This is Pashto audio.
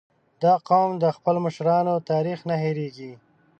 • دا قوم د خپلو مشرانو تاریخ نه هېرېږي.